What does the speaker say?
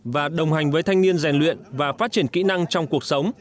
và đồng hành với thanh niên rèn luyện và phát triển kỹ năng trong cuộc sống